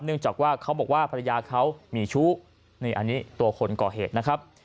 จากว่าเขาบอกว่าภรรยาเขามีชู้นี่อันนี้ตัวคนก่อเหตุนะครับ